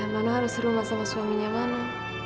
mano harus rumah sama suaminya mano